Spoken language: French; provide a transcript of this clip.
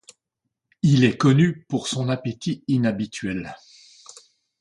Il est connu pour son appétit inhabituel.